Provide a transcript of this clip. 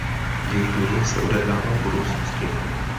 Děj knihy se odehrává v budoucnosti.